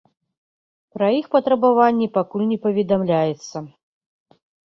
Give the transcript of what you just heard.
Пра іх патрабаванні пакуль не паведамляецца.